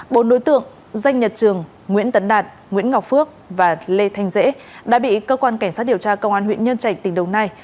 bốn đối tượng danh nhật trường nguyễn tấn đạt nguyễn ngọc phước và lê thanh dễ đã bị cơ quan cảnh sát điều tra công an huyện nhân trạch tỉnh đồng nai